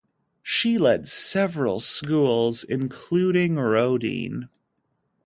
She led several schools including Roedean.